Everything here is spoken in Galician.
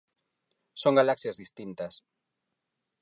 Son galaxias distintas.